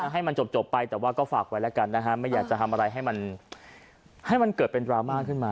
ให้มันจบไปแต่ว่าก็ฝากไว้แล้วกันนะฮะไม่อยากจะทำอะไรให้มันให้มันเกิดเป็นดราม่าขึ้นมา